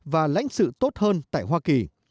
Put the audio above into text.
và lãnh sự tốt hơn tại hoa kỳ